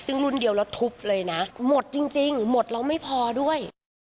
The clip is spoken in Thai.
ซึ่งรุ่นเดียวแล้วทุบเลยนะหมดจริงหมดแล้วไม่พอด้วย